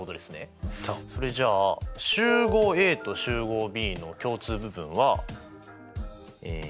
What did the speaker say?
それじゃあ集合Ａと集合Ｂの共通部分は。